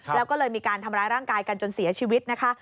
แล้วก็เลยมีการทำร้ายร่างกายกันจนเสียชีวิตนะคะ